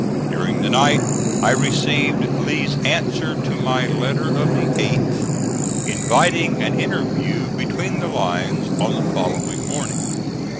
During the night I received Lee's answer to my letter of the 8th, inviting an interview between the lines on the following morning.